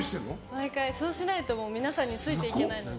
そうしないと皆さんについていけないので。